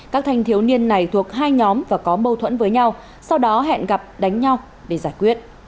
các thanh thiếu niên này thuộc hai nhóm và có mâu thuẫn với nhau sau đó hẹn gặp đánh nhau để giải quyết